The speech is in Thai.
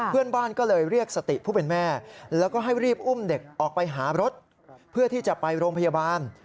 เพื่อที่จะไปโรงพยาบาล